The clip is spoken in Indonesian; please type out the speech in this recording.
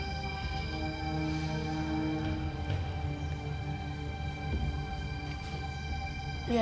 di dalam kesedihan